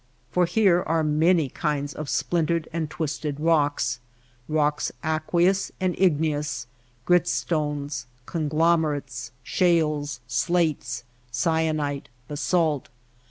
For here are many kinds of splintered and twisted rocks — rocks aqueous and igne ous, gritstones, conglomerates, shales, slates, syenite, basalt.